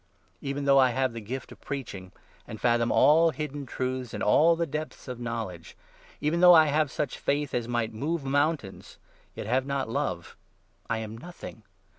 Even though I have the gift of preaching, 2 and fathom all hidden truths and all the depths of know ledge ; even though I have such faith as might move moun tains, yet have not Love, I am nothing